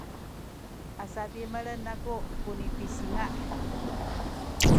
a sadimelen aku ku nipisinga’